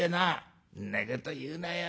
「んなこと言うなよ。